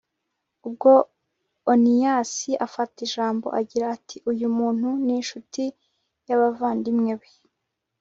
ubwo oniyasi afata ijambo, agira ati uyu muntu ni incuti y'abavandimwe be